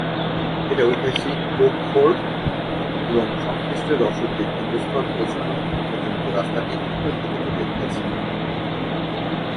এটা ঐতিহাসিক Cove Fort এবং সংশ্লিষ্ট দর্শকদের কেন্দ্রস্থল পৌঁছানো পর্যন্ত রাস্তাটি উত্তর দিকে চলে গেছে।